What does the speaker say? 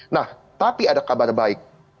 nah tapi ada kabar baik